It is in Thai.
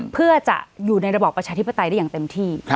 เพื่อจะอยู่ในระบอบประชาธิปไตยได้อย่างเต็มที่